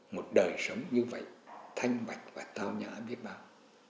một đời sống như vậy thanh bạch và tao nhã biết bao